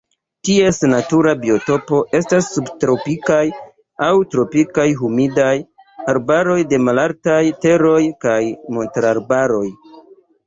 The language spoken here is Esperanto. Ties natura biotopo estas subtropikaj aŭ tropikaj humidaj arbaroj de malaltaj teroj kaj montararbaroj.